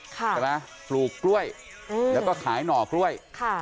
ใช่ไหมปลูกกล้วยแล้วก็ขายหน่อกล้วยค่ะ